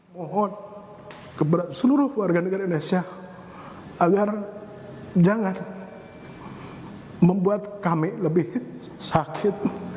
mohon kepada seluruh warga negara indonesia agar jangan membuat kami lebih sakit